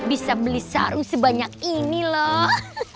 bisa beli saru sebanyak ini loh